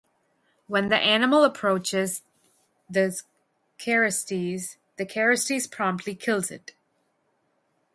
When the animal approaches the cerastes, the cerastes promptly kills it.